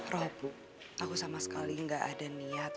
rob aku sama sekali ga ada niat